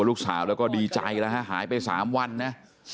ลูกสาวแล้วก็ดีใจแล้วฮะหายไป๓วันนะ